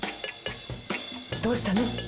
どうしたの？